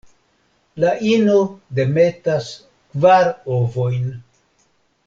La ino demetas kvar ovojn.